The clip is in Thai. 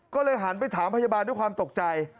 ก็เลยหันไปถามพยาบาลด้วยความตกใจ